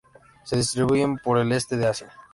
Se distribuyen por el este de Asia.